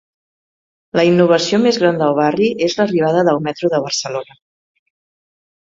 La innovació més gran del barri és l'arribada del Metro de Barcelona.